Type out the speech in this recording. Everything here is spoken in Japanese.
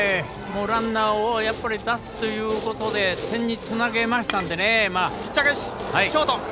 ランナーを出すということで点につなげましたのでね。